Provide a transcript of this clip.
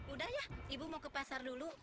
udah ya ibu mau ke pasar dulu